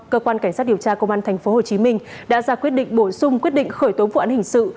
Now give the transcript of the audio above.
cơ quan cảnh sát điều tra công an tp hcm đã ra quyết định bổ sung quyết định khởi tố vụ án hình sự